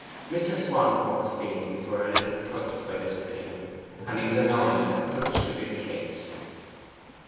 Mr. Swancourt's feelings were a little touched by this appeal, and he was annoyed that such should be the case.